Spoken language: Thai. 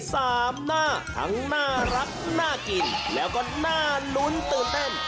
สามหน้าทั้งน่ารักน่ากินแล้วก็น่าลุ้นตื่นเต้น